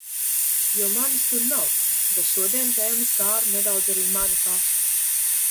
Jo manis tur nav. Bet šodien tēma skāra nedaudz arī mani pašu.